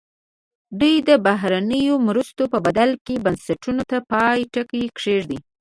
دوی د بهرنیو مرستو په بدل کې بنسټونو ته پای ټکی کېږدي.